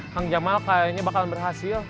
kang jamal kayaknya bakal berhasil